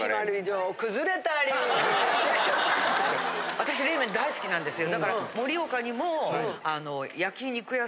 私冷麺大好きなんですよ。